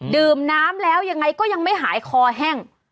ดื่มน้ำแล้วยังไงก็ยังไม่หายคอแห้ง